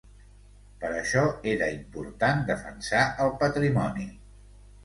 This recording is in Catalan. Per això, era important defensar el patrimoni.